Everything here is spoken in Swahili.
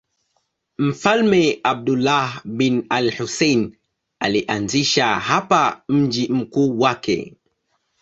Mfalme Abdullah bin al-Husayn alianzisha hapa mji mkuu wake.